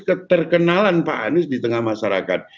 keterkenalan pak anies di tengah masyarakat